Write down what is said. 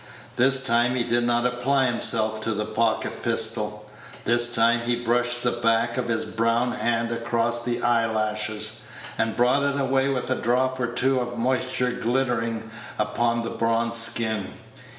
This time he did not apply himself to the pocket pistol. This time he brushed the back of his brown hand across his eye lashes, and brought it away with a drop or two of moisture glittering upon the bronzed skin.